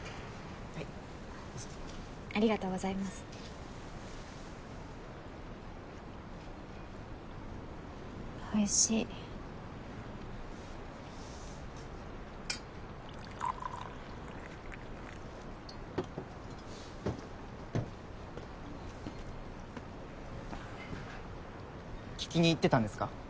はいどうぞありがとうございますおいしい聴きに行ってたんですか？